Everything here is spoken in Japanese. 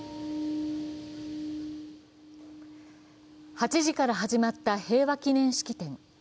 ８時から始まった平和記念式典。